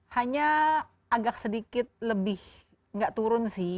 hanya agak sedikit lebih nggak turun sih